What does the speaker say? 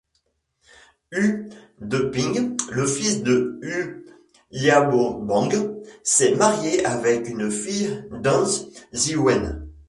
Hu Deping, le fils de Hu Yaobang s'est marié avec une fille d'An Ziwen.